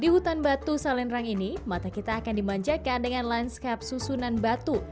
di hutan batu salendrang ini mata kita akan dimanjakan dengan landscape susunan batu